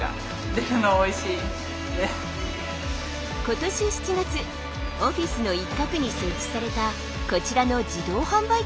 今年７月オフィスの一角に設置されたこちらの自動販売機。